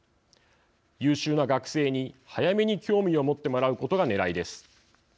優秀な学生に早めに興味を持ってもらうことがねらいです。